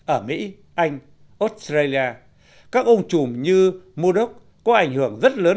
ở mỹ anh australia các ông trùm như murdoch có ảnh hưởng rất lớn